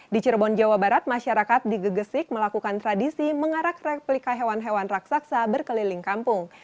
di cirebon jawa barat masyarakat di gegesik melakukan tradisi mengarak replika hewan hewan raksasa berkeliling kampung